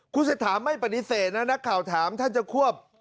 คุณเศรษฐาไม่ปฏิเสธนะนักข่าวถามท่านจะควบ